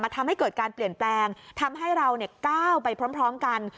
ทำให้เกิดการเปลี่ยนแปลงทำให้เราก้าวไปพร้อมกัน